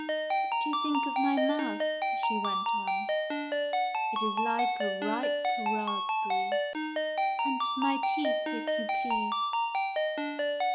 " What do you think of my mouth ?" she went on. " It is like a ripe raspberry." "And my teeth, if you please